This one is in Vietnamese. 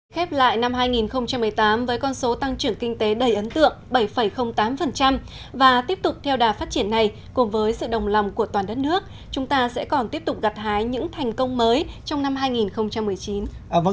khép lại năm hai nghìn một mươi tám với con số tăng trưởng kinh tế đầy ấn tượng bảy tám và tiếp tục theo đà phát triển này cùng với sự đồng lòng của toàn đất nước chúng ta sẽ còn tiếp tục gặt hái những thành công mới trong năm hai nghìn một mươi chín